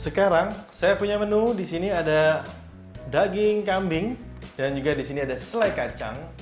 sekarang saya punya menu disini ada daging kambing dan juga disini ada selai kacang